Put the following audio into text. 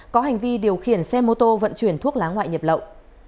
có hành vi điều khiển xe mô tô vận chuyển thuốc lá ngoại nhập lậu